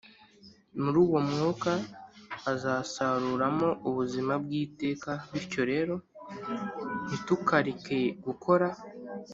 muri uwo mwuka azasaruramo ubuzima bw iteka Bityo rero ntitukareke gukora